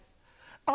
あ！